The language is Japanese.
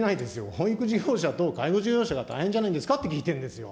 保育事業者と介護事業者が大変じゃないですかって聞いてるんですよ。